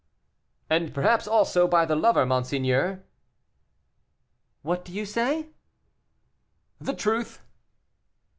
"And, perhaps, also by the lover, monseigneur." "What do you say?" "The truth."